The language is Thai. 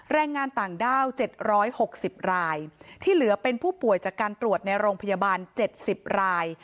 แรงงานต่างด้าว๗๖๐รายที่เหลือเป็นผู้ป่วยจากการตรวจในโรงพยาบาล๗๐ราย